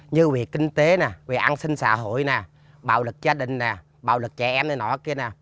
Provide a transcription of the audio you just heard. như về kinh tế nè về an sinh xã hội nè bạo lực gia đình nè bạo lực trẻ em nè nọ kia nè